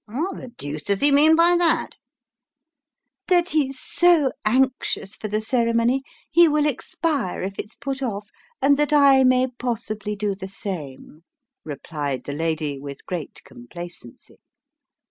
What the deuce does he mean by that ?"" That he's so anxious for the ceremony, he will expire if it's put off, and that I may possibly do the same," replied the lady with great complacency.